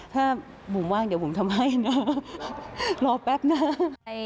ถ้าบุ๋มว่างเดี๋ยวบุ๋มทำให้เนอะรอแป๊บนึง